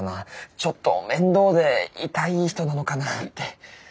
ちょっと面倒でイタい人なのかなって。